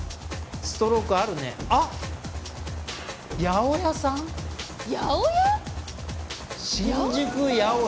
ストロークあるねあっ八百屋？